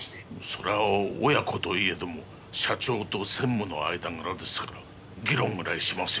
そりゃあ親子といえども社長と専務の間柄ですから議論ぐらいしますよ。